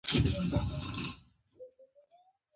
خو زه به یې درته ارزانه درکړم